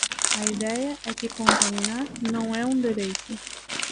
A idea é que contaminar non é un dereito.